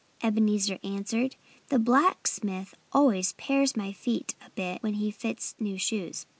Ebenezer answered. "The blacksmith always pares my feet a bit when he fits new shoes.